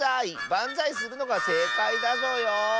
ばんざいするのがせいかいだぞよ。